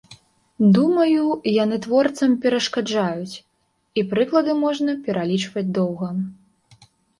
Думаю, яны творцам перашкаджаюць, і прыклады можна пералічваць доўга.